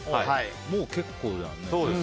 もう結構だよね。